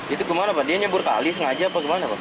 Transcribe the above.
itu gimana pak dia nyebur kali sengaja apa gimana pak